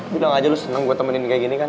bilang aja lu seneng gue temenin kayak gini kan